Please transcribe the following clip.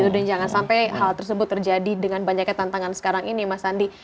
dan jangan sampai hal tersebut terjadi dengan banyaknya tantangan sekarang ini mas sandi